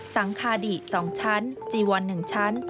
สังคาดิ๒ชั้นจีวอน๑ชั้น